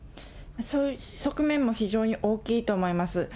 そういう側面もすごく大きいと思います。